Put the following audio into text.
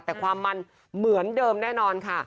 แต่ความมันเหมือนเดิมแน่นอนค่ะ